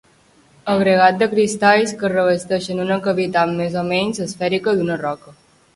Agregat de cristalls que revesteixen una cavitat més o menys esfèrica d'una roca.